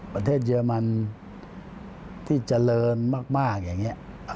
เยอรมันที่เจริญมากอย่างนี้